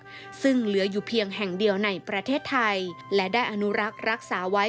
ซึ่งเหลืออยู่เพียงแห่งเดียวในประเทศไทยและได้อนุรักษ์รักษาไว้